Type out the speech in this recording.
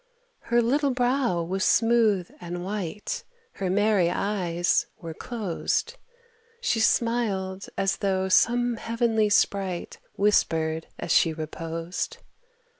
Her little brow was smooth and white, Her merry eyes were closed, She smiled, as though some heavenly sprite Whispered as she reposed.